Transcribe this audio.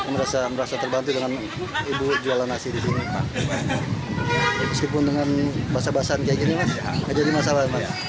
meskipun dengan basah basahan kayak gini tidak jadi masalah